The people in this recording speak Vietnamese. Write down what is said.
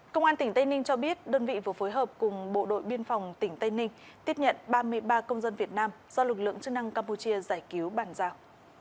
công an tỉnh tây ninh cho biết đơn vị vừa phối hợp cùng bộ đội biên phòng tỉnh tây ninh tiếp nhận ba mươi ba công dân việt nam do lực lượng chức năng campuchia giải cứu bàn giao